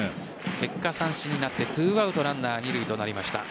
結果、三振になって２アウトランナー二塁となりました。